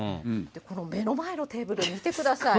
この目の前のテーブル、見てください。